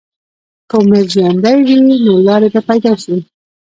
که امید ژوندی وي، نو لارې به پیدا شي.